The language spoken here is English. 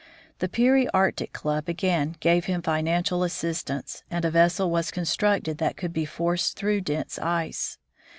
The Peary Arctic Club again gave him financial assistance, and a vessel was constructed that could be forced through dense ice.